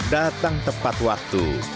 datang tepat waktu